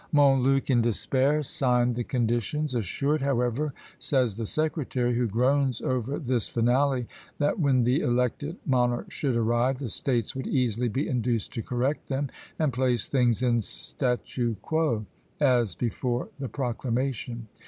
Montluc, in despair, signed the conditions "assured, however," says the secretary, who groans over this finale, "that when the elected monarch should arrive, the states would easily be induced to correct them, and place things in statu quo, as before the proclamation.